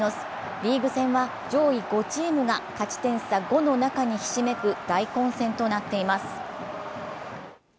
リーグ戦は上位５チームが勝ち点差５の中にひしめく大混戦となっています。